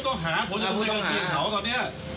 เขาเป็นผู้ต้องหาผมจะคุยกับเขาตอนนี้